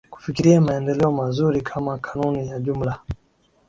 kufikiria maendeleo mazuri Kama kanuni ya jumla